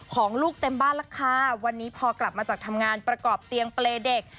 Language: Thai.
ของลูกเต็มบ้านแล้วค่ะวันนี้พอกลับมาจากทำงานประกอบเตียงเปรย์เด็ก